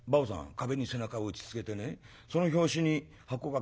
壁に背中を打ちつけてねその拍子に箱がガタッと揺れてさ